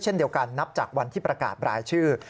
เช่นเดียวกันนับจากวันที่ประกาศรายชื่อ